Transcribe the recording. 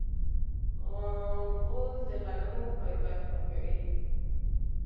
غول د غنمو فایبر خوښوي.